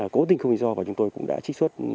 cố tình không lý do và chúng tôi cũng đã trích xuất